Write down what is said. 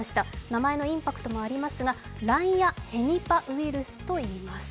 名前のインパクトもありますがランヤヘニパウイルスといいます。